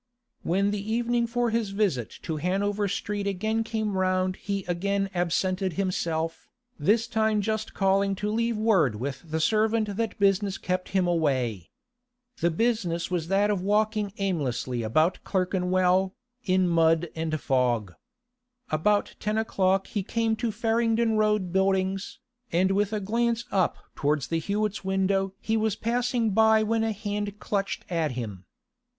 When the evening for his visit to Hanover Street again came round he again absented himself, this time just calling to leave word with the servant that business kept him away. The business was that of walking aimlessly about Clerkenwell, in mud and fog. About ten o'clock he came to Farringdon Road Buildings, and with a glance up towards the Hewetts' window he was passing by when a hand clutched at him.